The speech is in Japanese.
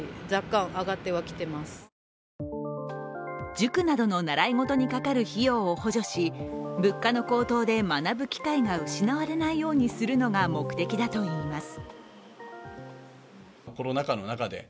塾などの習い事にかかる費用を補助し、物価の高騰で学ぶ機会が失われないようにするのが目的だといいます。